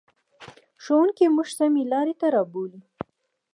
ښوونکی موږ سمې لارې ته رابولي.